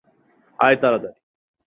আয়, তাড়াতাড়ি!